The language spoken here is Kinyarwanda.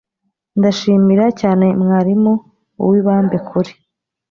Ndashimira cyane mwarimu Uwibambekuri